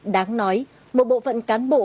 đáng nói một bộ phận cán bộ